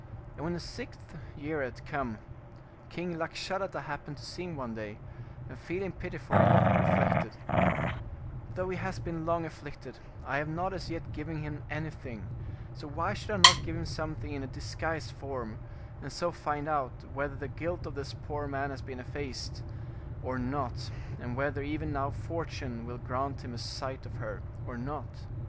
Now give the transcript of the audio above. And when the sixth year had come, king Lakshadatta happened to see him one day, and feeling pity for him, re flected, " Though he has been long afflicted, I have not as yet given him anything, so why should I not give him something in a disguised form, and so find out whether the guilt of this poor man has been effaced, or not, and whether even now Fortune will grant him a sight of her, or not